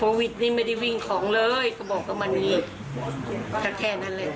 โปรวิทนี่ไม่ได้วิ่งของเลยก็บอกว่ามันมีแค่แค่นั้นแหละ